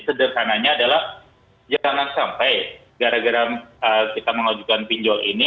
sederhananya adalah jangan sampai gara gara kita mengajukan pinjol ini